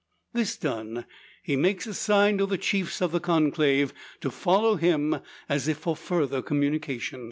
This done, he makes a sign to the chiefs of the conclave to follow him as if for further communication.